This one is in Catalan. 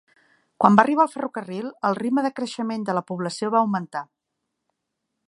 Quan va arribar el ferrocarril, el ritme de creixement de la població va augmentar.